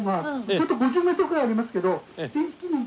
ちょっと５０メートルぐらいありますけど駅に行った方が。